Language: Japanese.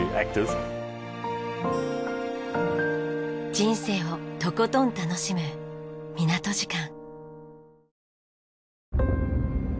人生をとことん楽しむ港時間。